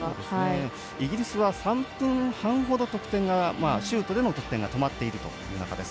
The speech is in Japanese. イギリスは３分半ほどシュートでの得点が止まっているという中です。